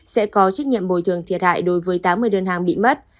sẽ có trách nhiệm bồi thường thiệt hại đối với tám mươi đơn hàng bị mất